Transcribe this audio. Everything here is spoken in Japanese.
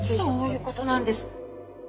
そういうことなんです！